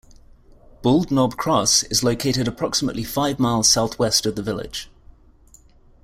Bald Knob Cross is located approximately five miles southwest of the village.